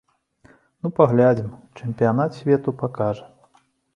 Ну, паглядзім, чэмпіянат свету пакажа.